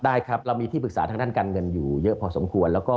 ครับเรามีที่ปรึกษาทางด้านการเงินอยู่เยอะพอสมควร